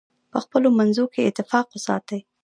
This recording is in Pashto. په خپلو منځونو کې اتفاق وساتئ.